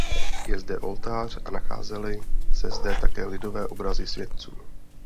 Je zde oltář a nacházely se zde také lidové obrazy světců.